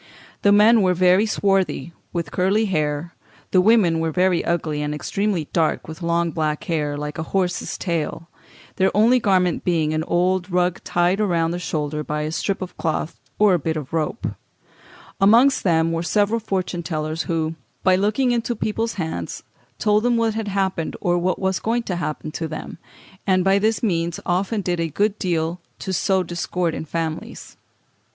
The men were very swarthy, with curly hair; the women were very ugly, and extremely dark, with long black hair, like a horse's tail; their only garment being an old rug tied round the shoulder by a strip of cloth or a bit of rope (Fig. 371). Amongst them were several fortune tellers, who, by looking into people's hands, told them what had happened or what was to happen to them, and by this means often did a good deal to sow discord in families.